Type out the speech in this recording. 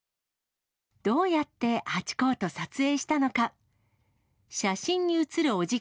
どうやってハチ公と撮影したのか。